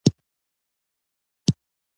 موږ پرون د خپلو ملګرو سره په پارک کې ولیدل.